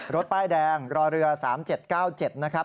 รถป้ายแดงรอเรือ๓๗๙๗นะครับ